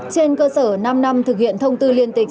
trên cơ sở năm năm thực hiện thông tư liên tịch